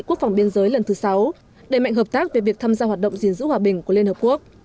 quốc phòng biên giới lần thứ sáu đẩy mạnh hợp tác về việc tham gia hoạt động gìn giữ hòa bình của liên hợp quốc